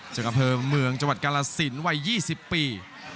เจอกับเผลอเมืองจังหวัดกรรษินวัย๒๐ปี